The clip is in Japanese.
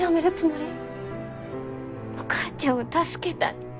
お母ちゃんを助けたい。